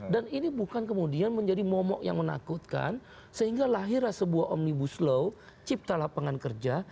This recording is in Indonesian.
dan ini bukan kemudian menjadi momok yang menakutkan sehingga lahirlah sebuah omnibus law cipta lapangan kerja